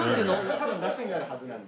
多分ラクになるはずなので。